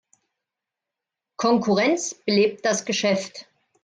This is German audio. Konkurrenz belebt das Geschäft.